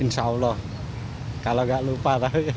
insya allah kalau gak lupa